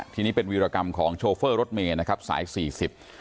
ทีนี้เป็นวีรกรรมของโชเฟอร์รถเมย์นะครับสายสี่สิบ